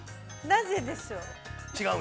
◆なぜでしょう？